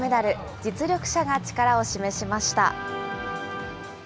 実力者が力を示しました。